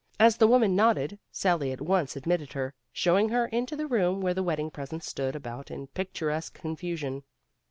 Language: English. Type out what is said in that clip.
As the woman nodded, Sally at once admitted her, showing her into the room where the. wedding presents stood about in picturesque confusion.